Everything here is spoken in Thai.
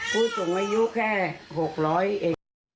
พูดถึงอายุแค่๖๐๐เอง